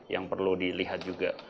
yang perlu dilihat juga